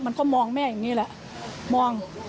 มันก็มองแม่อย่างนี้แหละมอง